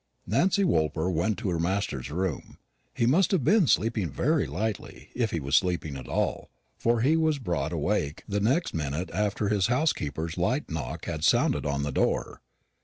Nancy Woolper went to her master's room. He must have been sleeping very lightly, if he was sleeping at all; for he was broad awake the next minute after his housekeeper's light knock had sounded on the door.